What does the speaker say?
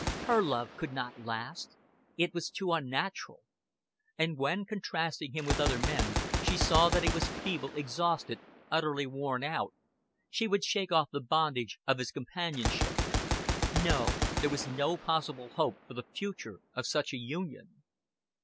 Her love could not last it was too unnatural; and when, contrasting him with other men, she saw that he was feeble, exhausted, utterly worn out, she would shake off the bondage of his companionship. No, there was no possible hope for the future of such a union.